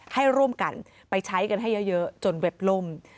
ให้ร่วมกันไปใช้กันให้เยอะจนเว็บล่ม